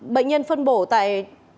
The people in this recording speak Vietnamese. bệnh nhân phân bổ tại